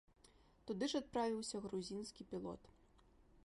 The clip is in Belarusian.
Туды ж адправіўся грузінскі пілот.